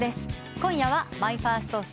今夜はＭＹＦＩＲＳＴＳＴＯＲＹ。